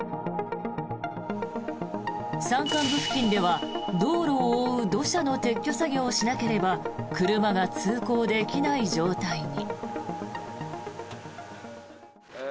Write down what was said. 山間部付近では道路を覆う土砂の撤去作業をしなければ車が通行できない状態に。